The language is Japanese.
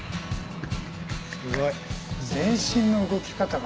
すごい！全身の動き方が。